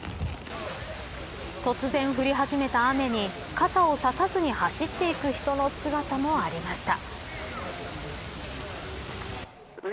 突然、降り始めた雨に傘を差さずに走って行く人の姿もありました。